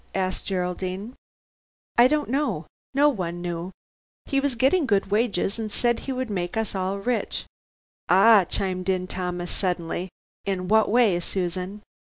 asked Geraldine. "I don't know: no one knew. He was gettin' good wages, and said he would make us all rich." "Ah," chimed in Thomas suddenly, "in what way, Susan?"